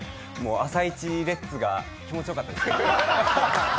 朝一レッツが気持ちよかったです。